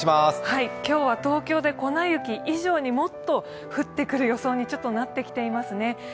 今日は東京で粉雪以上にもっと降ってくる予想になってきていますね。